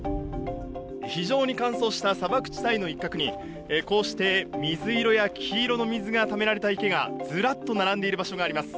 非常に乾燥した砂漠地帯の一角に、こうして水色や黄色の水がためられた池がずらっと並んでいる場所があります。